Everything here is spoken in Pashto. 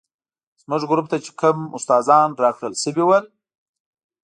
زموږ ګروپ ته چې کوم استادان راکړل شوي ول.